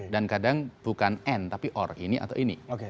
dan kadang bukan end tapi or ini atau ini